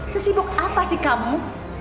sesibuk apa sih kamu